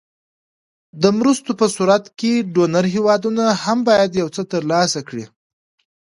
د مرستو په صورت کې ډونر هېوادونه هم باید یو څه تر لاسه کړي.